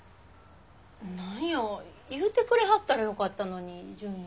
なんや言うてくれはったらよかったのに淳雄さん。